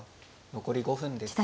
残り５分です。